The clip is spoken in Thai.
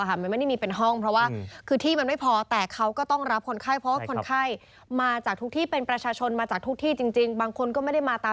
หรือออนไลน์เขาออกมาแชร์กันว่า